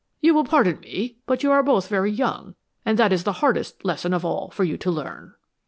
You will pardon me, but you are both very young, and that is the hardest lesson of all for you to learn."